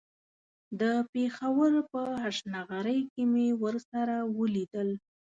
د پېښور په هشنغرۍ کې مې ورسره وليدل.